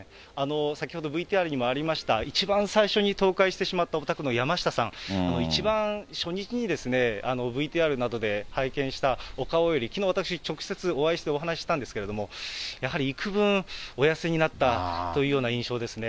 先ほどＶＴＲにもありました、一番最初に倒壊してしまったお宅の山下さん、一番初日にＶＴＲなどで拝見したお顔より、きのう、私直接お会いしてお話ししたんですけれども、やはりいくぶん、お痩せになったというような印象ですね。